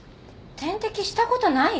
点滴したことない！？